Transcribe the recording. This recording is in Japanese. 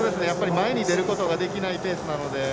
前に出ることができないペースなので。